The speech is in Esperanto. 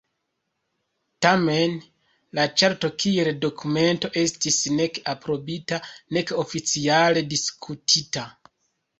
Tamen, la Ĉarto kiel dokumento estis nek aprobita nek oficiale diskutita.